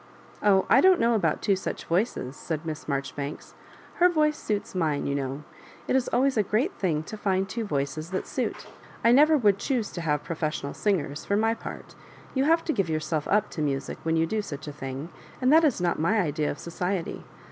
"Oh, I don*t know about two such voices,'* caid Miss Marjoribanks ;her voice suits mine, you know. It is always a great thuig to find two voices that suit I never would choose to have professional singers^ for my part You have to give yourself up to music when you do such a thing, and that is not my idea of society.